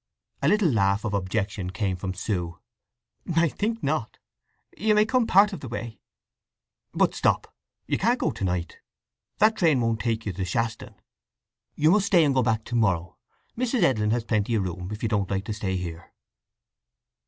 A little laugh of objection came from Sue. "I think not. You may come part of the way." "But stop—you can't go to night! That train won't take you to Shaston. You must stay and go back to morrow. Mrs. Edlin has plenty of room, if you don't like to stay here?"